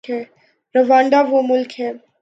Rwanda وہ ملک ہے۔